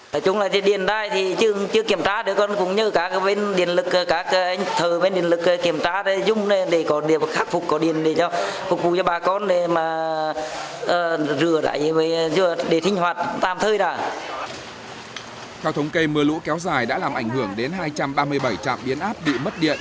theo thống kê mưa lũ kéo dài đã làm ảnh hưởng đến hai trăm ba mươi bảy trạm biến áp bị mất điện